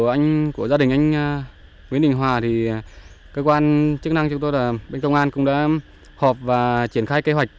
anh hòa thì cơ quan chức năng chúng tôi là bên công an cũng đã họp và triển khai kế hoạch